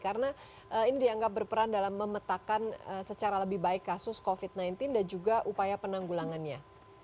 karena ini dianggap berperan dalam memetakan secara lebih baik kasus covid sembilan belas dan juga upaya penanggulangannya